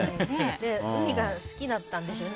海が好きだったんでしょうね